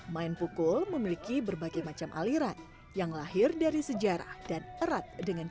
main pukul memiliki berbagai macam aliran yang lahir dari sejarah dan erat dengan